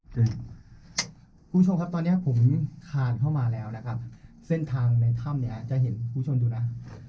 คุณผู้ชมครับตอนนี้ผมคานเข้ามาแล้วนะครับเส้นทางในถ้ำเนี่ยจะเห็นคุณผู้ชมดูนะ